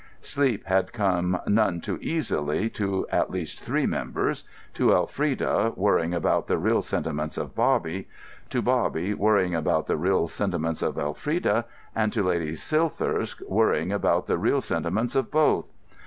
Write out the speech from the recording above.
Sleep had come none too easily to at least three members,—to Elfrida worrying about the real sentiments of Bobby, to Bobby worrying about the real sentiments of Elfrida, and to Lady Silthirsk worrying about the real sentiments of both.